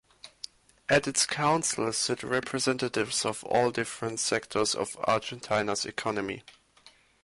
At its Council sit representatives of all different sectors of Argentina's economy.